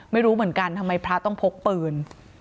ไม่รู้เหมือนกันทำไมพระต้องพกปืน